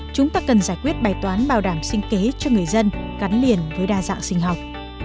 chúng ta cần giải quyết bài toán bảo đảm sinh kế cho người dân gắn liền với đa dạng sinh học